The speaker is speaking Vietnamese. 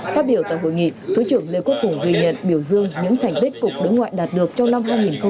phát biểu tại hội nghị thứ trưởng lê quốc hùng ghi nhận biểu dương những thành tích cục đối ngoại đạt được trong năm hai nghìn hai mươi ba